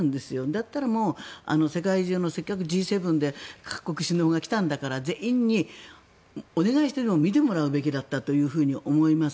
だったらもう、世界中のせっかくＧ７で各国首脳が来たんだから全員にお願いしてでも見てもらうべきだったと思います。